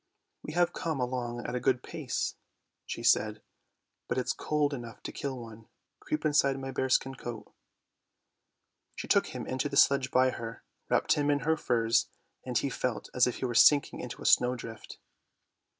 " We have come along at a good pace," she said; " but it's cold enough to kill one; creep inside my bearskin coat." She took him into the sledge by her, wrapped him in her furs, and he felt as if he were sinking into a snowdrift.